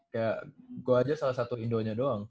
kayak gua aja salah satu indo nya doang